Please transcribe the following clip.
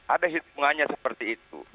ada hitungannya seperti itu